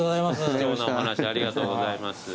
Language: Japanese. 貴重なお話ありがとうございます。